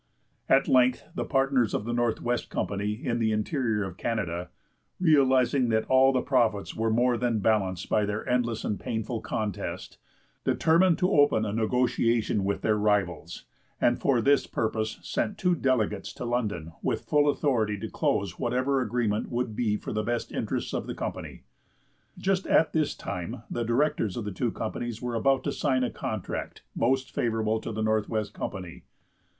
At length the partners of the Northwest Company in the interior of Canada, realizing that all the profits were more than balanced by their endless and painful contest, determined to open a negotiation with their rivals, and for this purpose sent two delegates to London with full authority to close whatever agreement would be for the best interests of the company. Just at this time the directors of the two companies were about to sign a contract most favorable to the Northwest Company.